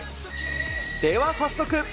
では早速。